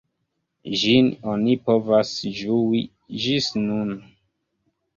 Ĝin oni povas ĝui ĝis nun.